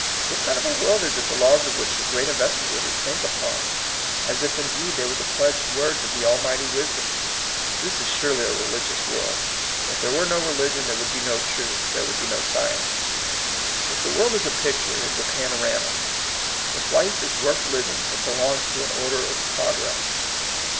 What kind of a world is it the laws of which the great investigators bank upon, as if in deed they were the pledged words of the Almighty Wisdom? This is surely a re ligious world. If there were no religion, there would be no truth, there would be no science. If the world is a picture, it is a pano rama ; if life is worth living, it belongs to an order of progress.